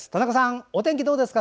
お天気どうですか？